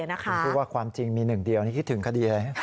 คุณพูดว่าความจริงมีหนึ่งเดียวนี่คิดถึงคดีอะไร